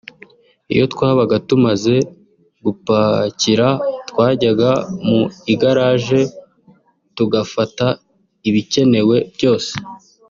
Iyo twabaga tumaze gupakira twajyaga mu igarage tugafata ibikenenewe byose